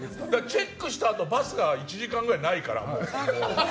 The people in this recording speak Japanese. チェックしたあとバスが１時間ぐらいないから。